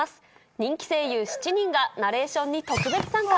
人気声優７人がナレーションに特別参加。